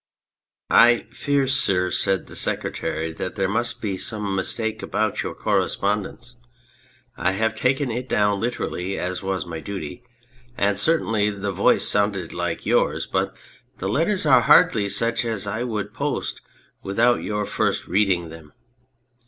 " I fear, sir," said the secretary, "that there must be some mistake about your correspondence. I have taken it down literally as was my duty, and certainly the voice sounded like yours, but the letters are hardly such as I would post without your first reading them.